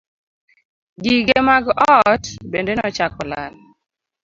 Gige mag ot bende nochako lal.